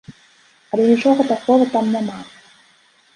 Але нічога такога там няма.